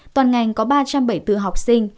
toàn ngành có ba trăm bảy mươi bốn học sinh